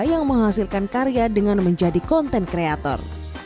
yang menghasilkan karya dengan menjadi konten kreator